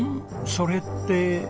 それって。